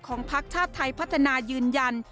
ของภักดิ์ชาติไทยพัฒนายืนยัน